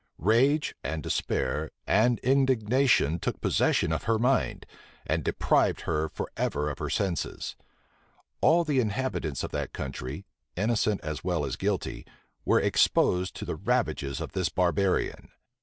Rage, and despair, and indignation took possession of her mind, and deprived her forever of her senses. All the inhabitants of that country, innocent as well as guilty, were exposed to the ravages of this barbarian.